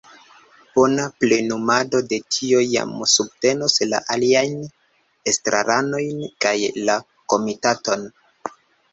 Bona plenumado de tio jam subtenos la aliajn estraranojn kaj la komitaton.